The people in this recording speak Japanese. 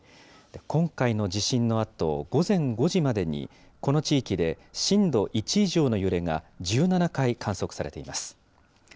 今回の地震のあと、午前５時までにこの地域で震度１以上の揺れが１７回観測されています。